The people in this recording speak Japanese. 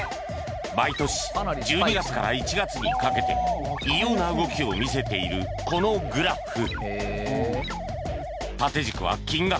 毎年１２月から１月にかけて異様な動きを見せているこのグラフ縦軸は金額